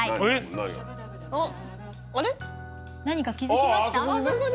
何か気付きました？